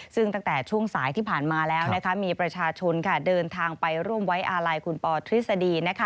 ซึ่งตั้งแต่ช่วงสายที่ผ่านมาแล้วมีประชาชนเดินทางไปร่วมไว้อาลัยคุณปอทฤษฎี